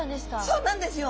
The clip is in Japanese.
そうなんですよ。